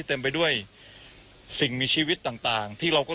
คุณทัศนาควดทองเลยค่ะ